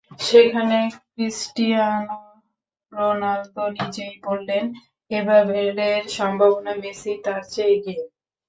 সেখানে Cristiano Ronaldo নিজেই বললেন, এবারের সম্ভাবনায় মেসি তাঁর চেয়ে এগিয়ে।